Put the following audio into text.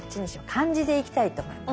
漢字でいきたいと思います。